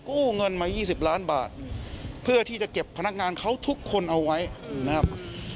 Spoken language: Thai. กู้เงินมา๒๐ล้านบาทเพื่อที่จะเก็บพนักงานเขาทุกคนเอาไว้นะครับ